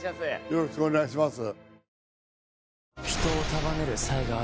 よろしくお願いします。